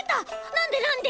なんでなんで？